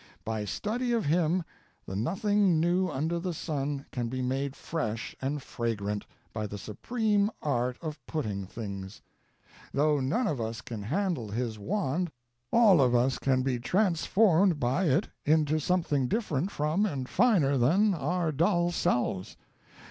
By study of him the nothing new under the sun can be made fresh and fragrant, by the supreme art of putting things. Though none of us can handle his wand, all of us can be transformed by it into something different from and finer than our dull selves.